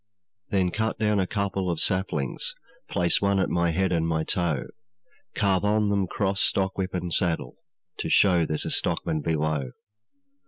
'Then cut down a couple of saplings, Place one at my head and my toe, Carve on them cross, stockwhip, and saddle, To show there's a stockman below.